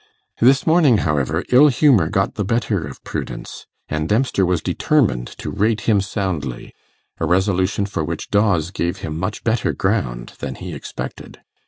This morning, however, ill humour got the better of prudence, and Dempster was determined to rate him soundly; a resolution for which Dawes gave him much better ground than he expected.